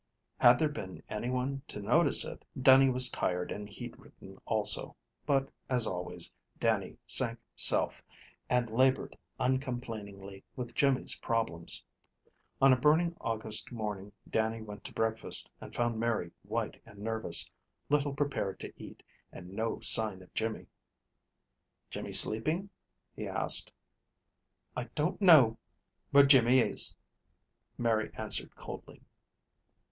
Had there been any one to notice it, Dannie was tired and heat ridden also, but as always, Dannie sank self, and labored uncomplainingly with Jimmy's problems. On a burning August morning Dannie went to breakfast, and found Mary white and nervous, little prepared to eat, and no sign of Jimmy. "Jimmy sleeping?" he asked. "I don't know where Jimmy is," Mary answered coldly.